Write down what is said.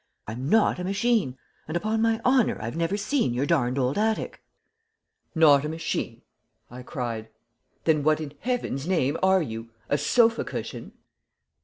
I'm not a machine, and upon my honor, I've never seen your darned old attic." "Not a machine!" I cried. "Then what in Heaven's name are you? a sofa cushion?"